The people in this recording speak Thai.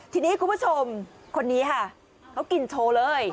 ทีนี้คุณผู้ชมคนนี้ค่ะเขากินโชว์เลย